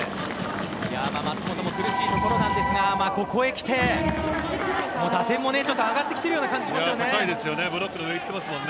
舛本も苦しいところですがここへきて打点も上がってきてる感じがしますね。